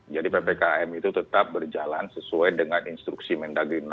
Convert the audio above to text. jadi ppkm itu tetap berjalan sesuai dengan instruksi mendagri enam puluh tiga